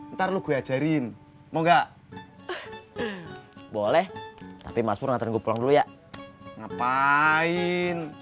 ntar lu gue ajarin mau nggak boleh tapi masur nganterin gua pulang dulu ya ngapain